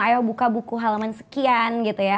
ayo buka buku halaman sekian gitu ya